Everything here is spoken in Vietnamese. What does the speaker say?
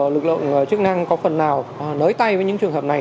lực lượng chức năng có phần nào nới tay với những trường hợp này